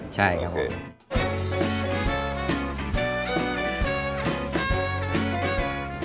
ใช่ครับผม